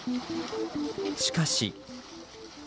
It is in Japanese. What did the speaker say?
しかし。